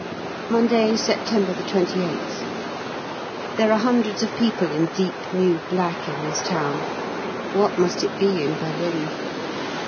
Monday, September 28th. There are hundreds of people in deep new black in this town; what must it be in Berlin?